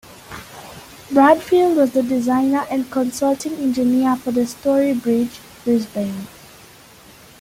Bradfield was the designer and consulting engineer for the Story Bridge, Brisbane.